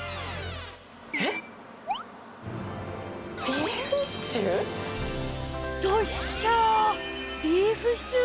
えっ？ビーフシチュー？